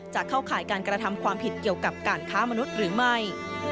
จะเข้าข่ายการกระทำความผิดเกี่ยวกับการค้ามนุษย์หรือไม่